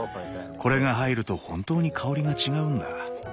これが入ると本当に香りが違うんだ。